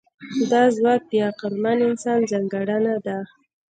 دا ځواک د عقلمن انسان ځانګړنه ده.